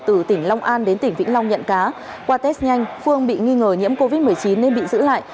từ tỉnh long an đến tỉnh vĩnh long nhận cá qua test nhanh phương bị nghi ngờ nhiễm covid một mươi chín nên bị giữ lại